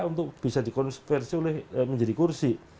untuk bisa dikonspirasi menjadi kursi